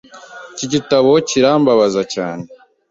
Iki gitabo kirambabaza cyane.